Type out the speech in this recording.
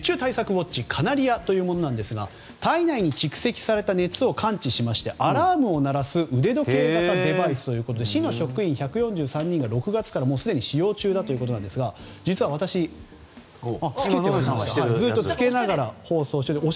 ウォッチカナリアというものですが体内に蓄積された熱を感知してアラームを鳴らす腕時計型デバイスということで市の職員１４３人が６月からすでに使用中ということですが実は私ずっと着けながら放送しています。